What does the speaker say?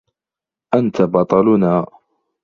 أنت بطلنا.